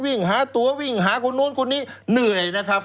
วิ่งหาตัววิ่งหาคนนู้นคนนี้เหนื่อยนะครับ